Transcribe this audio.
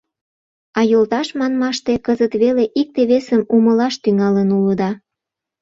А йолташ манмаште, кызыт веле икте-весым умылаш тӱҥалын улыда.